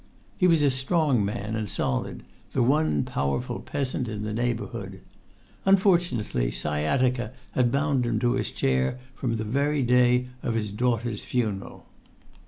He was a strong man and solid, the one powerful peasant in the neighbourhood. Unfortunately, sciatica had bound him to his chair from the very day of his daughter's funeral.